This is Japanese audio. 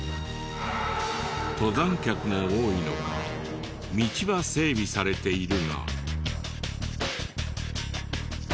登山客も多いのか道は整備されているが。